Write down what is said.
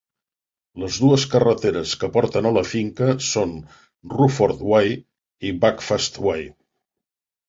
Les dues carreteres que porten a la finca són Rufford Way i Buckfast Way.